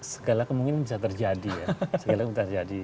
segala kemungkinan bisa terjadi ya segala kemungkinan